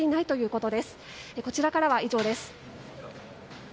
こちらからは以上です。